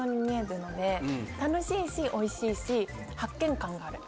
楽しいしおいしいし発見感がある。